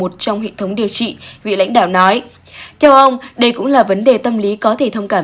trong hệ thống điều trị vị lãnh đạo nói theo ông đây cũng là vấn đề tâm lý có thể thông cảm